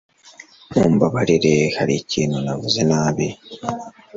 Mumbabarire, hari ikintu navuze nabi?